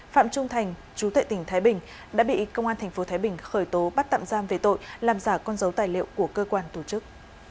phạm trung thành chú tệ tỉnh thái bình đã bị công an tp thái bình khởi tố bắt tạm giam về tội làm giả con dấu tài liệu của cơ quan tổ chức